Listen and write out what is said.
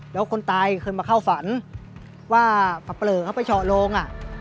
แล้วคนตายเคยมาเข้าฝันว่าปะเปลอเขาไปเฉาะโลงอ่ะ